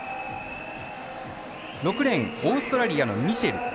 ６レーンオーストラリアのミシェル。